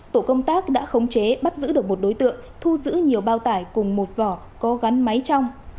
tổ công tác đã khống chế bắt giữ được một đối tượng thu giữ nhiều bao tải cùng một vỏ có gắn máy trong